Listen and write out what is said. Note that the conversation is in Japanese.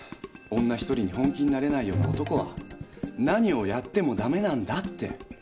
女一人に本気になれないような男は何をやってもダメなんだって。